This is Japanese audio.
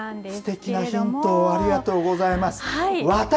すてきなヒントをありがとうございます。